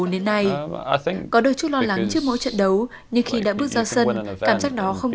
hai nghìn một mươi bốn đến nay có đôi chút lo lắng trước mỗi trận đấu nhưng khi đã bước ra sân cảm giác đó không